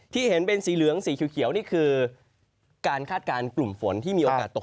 เห็นเป็นสีเหลืองสีเขียวนี่คือการคาดการณ์กลุ่มฝนที่มีโอกาสตก